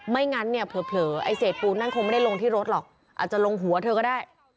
งั้นเนี่ยเผลอไอ้เศษปูนนั่นคงไม่ได้ลงที่รถหรอกอาจจะลงหัวเธอก็ได้